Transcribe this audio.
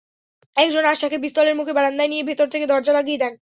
একজন আশাকে পিস্তলের মুখে বারান্দায় নিয়ে ভেতর থেকে দরজা লাগিয়ে দেন।